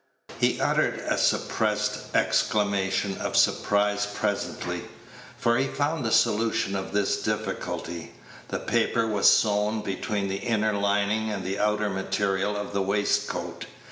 He uttered a suppressed exclamation of surprise presently, for he found the solution of this difficulty. The paper was sewn between the inner lining and the outer material of the waistcoat.